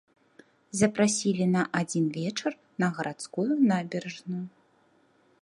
Запрасілі на адзін вечар на гарадскую набярэжную.